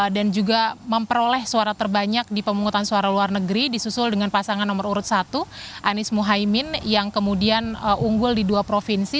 dan juga memperoleh suara terbanyak di pemungutan suara luar negeri disusul dengan pasangan nomor urut satu anies muhaymin yang kemudian unggul di dua provinsi